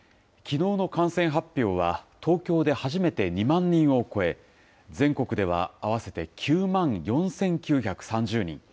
きのうの感染発表は、東京で初めて２万人を超え、全国では合わせて９万４９３０人。